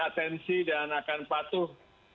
atensi dan akan patuh